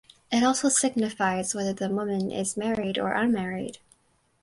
It also signifies whether the woman is married or unmarried.